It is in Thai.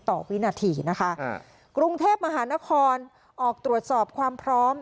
ต่อวินาทีนะคะอ้าวกรุงเทพมหานครอบครองออกตรวจสอบความพร้อม